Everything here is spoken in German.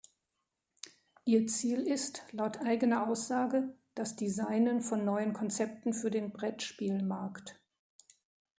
Ihr Ziel ist, laut eigener Aussage, das designen von neuen Konzepten für den Brettspiel-Markt.